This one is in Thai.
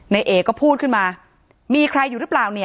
นายเอ๋ก็พูดขึ้นมามีใครอยู่เหรอเปล่านี้